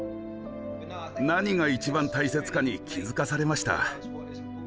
何が一番大切かに気付かされました。